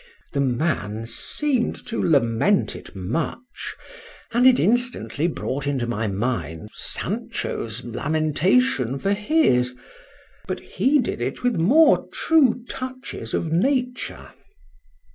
The man seemed to lament it much; and it instantly brought into my mind Sancho's lamentation for his; but he did it with more true touches of nature.